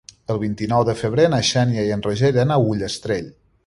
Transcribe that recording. El vint-i-nou de febrer na Xènia i en Roger iran a Ullastrell.